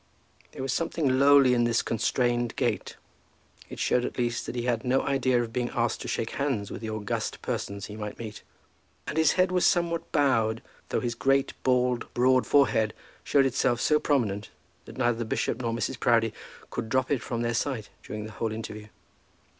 There was something lowly in this constrained gait. It showed at least that he had no idea of being asked to shake hands with the August persons he might meet. And his head was somewhat bowed, though his great, bald, broad forehead showed itself so prominent, that neither the bishop nor Mrs. Proudie could drop it from their sight during the whole interview.